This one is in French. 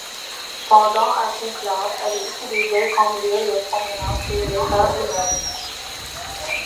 Pendant un conclave, elle est utilisée comme lieu de promenade pour les cardinaux.